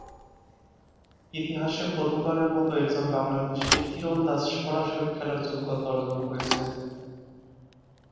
ইতিহাসে প্রথমবারের মতো একজন বাংলাদেশী তীরন্দাজ সরাসরি খেলার যোগ্যতা অর্জন করেছে।